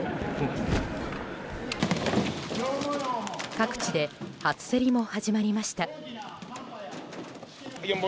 各地で初競りも始まりました。